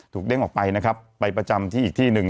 เด้งออกไปนะครับไปประจำที่อีกที่หนึ่ง